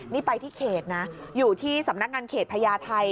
นี่ไปที่เขตนะอยู่ที่สำนักงานเขตพญาไทย